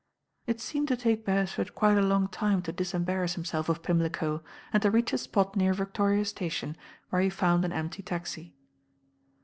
It seemed to take Bercsford quite a long time to disembarrass himself of Pimlico, and to reach a spot near Victoria Station where he found an empty taxi.